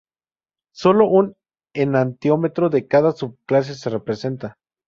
Sólo un enantiómero de cada subclase se representa.